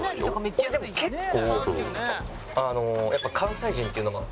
俺でも結構やっぱ関西人っていうのもあって。